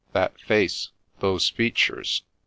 that face ! those features